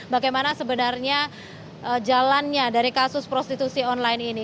bagaimana sebenarnya jalannya dari kasus prostitusi online ini